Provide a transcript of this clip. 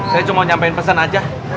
saya cuma mau nyampein pesen aja